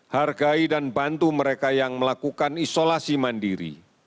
hargai dan bantu mereka yang melakukan isolasi mandiri